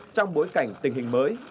trong bối cảnh tình hình mới